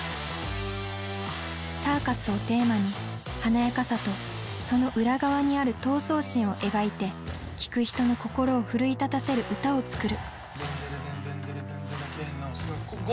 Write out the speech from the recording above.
「サーカス」をテーマに華やかさとその裏側にある闘争心を描いて聴く人の心を奮い立たせる歌を作る。